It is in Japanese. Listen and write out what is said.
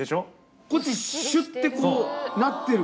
こっちシュってこうなってる。